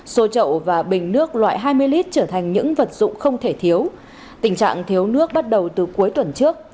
xô trậu và bình nước loại hai mươi lít trở thành những vật dụng không thể thiếu tình trạng thiếu nước bắt đầu từ cuối tuần trước